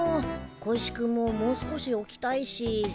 小石君ももう少しおきたいし。